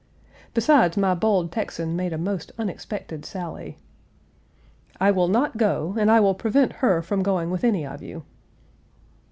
Besides, my bold Texan made a most unexpected sally: "I will not go, and I will prevent her from going with any of you."